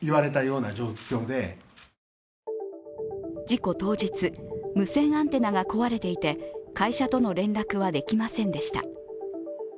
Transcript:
事故当日、無線アンテナが壊れていて、会社との連絡はできませんでした。